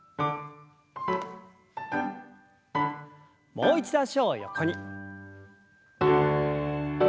もう一度脚を横に。